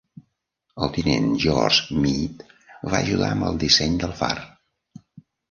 El tinent George Meade va ajudar amb el disseny del far.